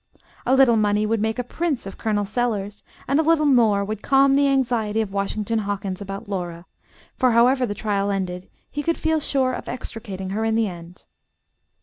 A little money would make a prince of Col. Sellers; and a little more would calm the anxiety of Washington Hawkins about Laura, for however the trial ended, he could feel sure of extricating her in the end.